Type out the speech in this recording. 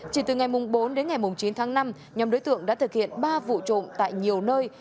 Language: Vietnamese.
chỉ từ ngày bốn đến ngày chín tháng năm nhóm đối tượng đã thực hiện ba vụ trộm tại nhiều nơi